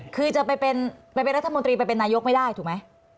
คือจะไปเป็นรัฐบากรรมนาโทรพิเศษมายุคก็ไม่ได้ถูกไหม